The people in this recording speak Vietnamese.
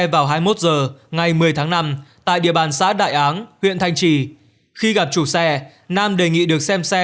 vào hai mươi một h ngày một mươi tháng năm tại địa bàn xã đại áng huyện thanh trì khi gặp chủ xe nam đề nghị được xem xe